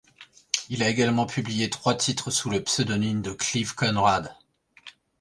Il a également publié trois titres sous le pseudonyme de Clive Conrad.